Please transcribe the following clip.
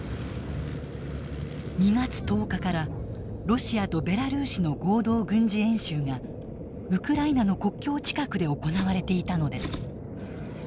２月１０日からロシアとベラルーシの合同軍事演習がウクライナの国境近くで行われていたのです。